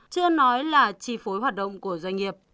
chưa nói là chi phối hoạt động của doanh nghiệp